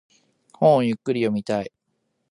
本をゆっくり読みたい。